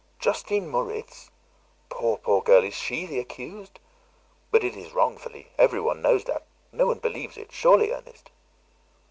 "Justine Moritz! Poor, poor girl, is she the accused? But it is wrongfully; every one knows that; no one believes it, surely, Ernest?"